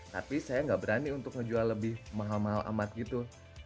tapi saya nggak berani untuk ngejual lebih mahal mahal amat gitu